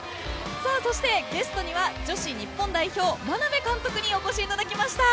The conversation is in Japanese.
そしてゲストには女子日本代表・眞鍋監督にお越しいただきました。